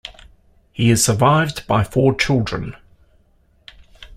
He is survived by four children.